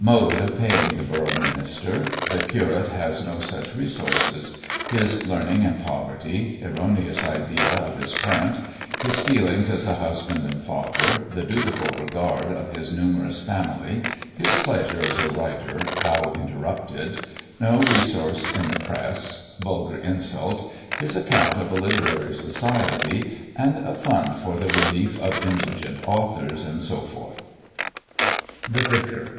Mode of paying the Borough Minister The Curate has no such Resources His Learning and Poverty Erroneous Idea of his Parent His Feelings as a Husband and Father the Dutiful Regard of his numerous Family His Pleasure as a Writer, how interrupted No Resource in the Press Vulgar Insult His Account of a Literary Society, and a Fund for the Relief of indigent Authors, &c. THE VICAR.